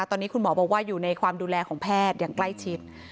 ตอนนี้คุณหมอบอกว่าอยู่ในความดูแลของแพทย์อย่างใกล้ชิด